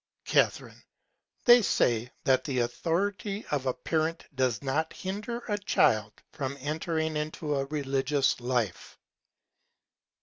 Ca. They say, that the Authority of a Parent does not hinder a Child from entering into a religious Life.